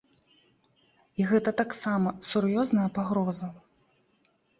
І гэта таксама сур'ёзная пагроза.